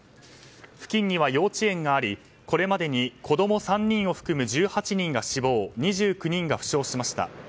付近には幼稚園がありこれまでに、子供３人を含む１８人が死亡２９人が負傷しました。